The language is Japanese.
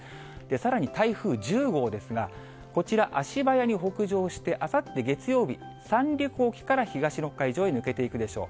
さらに台風１０号ですが、こちら、足早に北上して、あさって月曜日、三陸沖から東の海上に抜けていくでしょう。